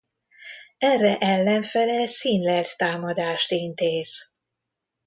Erre ellenfele színlelt támadást intéz.